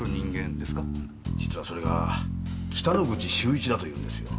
実はそれが北之口秀一だというんですよ。